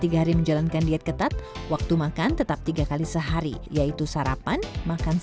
selama tiga hari menjalankan diet ketat waktu makan tetap tiga kali sehari yaitu sarapan makan siang dan makan malam